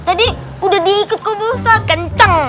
tadi udah diikut kamu ustadz kenceng